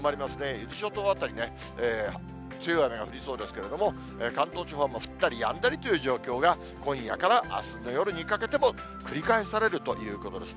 伊豆諸島辺りね、強い雨が降りそうですけれども、関東地方は降ったりやんだりという状況が今夜からあすの夜にかけても繰り返されるということです。